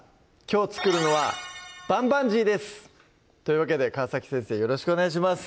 きょう作るのは「棒棒鶏」ですというわけで川先生よろしくお願いします